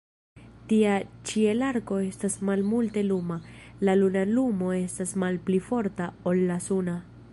Tia ĉielarko estas malmulte luma, la luna lumo estas malpli forta ol la suna.